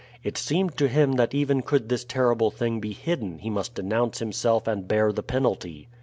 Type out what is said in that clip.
It seemed to him that even could this terrible thing be hidden he must denounce himself and bear the penalty.